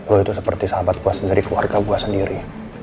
gue itu seperti sahabat gue sendiri keluarga gue sendiri